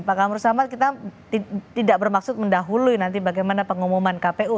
pak kamaru samad kita tidak bermaksud mendahului nanti bagaimana pengumuman kpu